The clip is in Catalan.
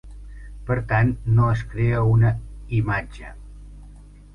Per tant, no es crea una "imatge".